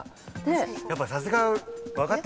やっぱさすが分かってますね。